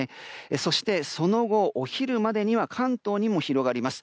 そして、その後お昼までには関東にも広がります。